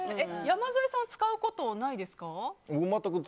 山添さんは使うことないですか。